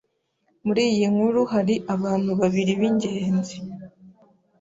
Muri iyi nkuru hari abantu babiri b'ingenzi.